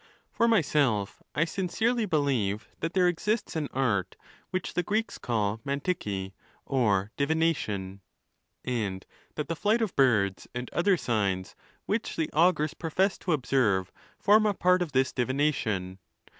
—For myself, I sincerely believe that there exists an art which the Greeks call Mavrixy, or divination; and that the flight of birds and other signs, which the augurs profess to observe, form a part of this divination.